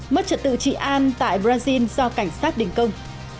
mất trật tự trị an tại brazil do cảnh sát đình công